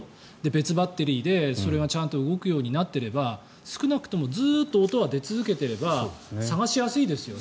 別バッテリーでそれがちゃんと動くようになっていれば少なくともずっと音が出続けていれば捜しやすいですよね。